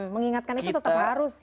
mengingatkan itu tetap harus